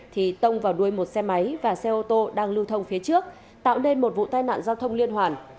thì tông vào đuôi một xe máy và xe ô tô đang lưu thông phía trước tạo nên một vụ tai nạn giao thông liên hoàn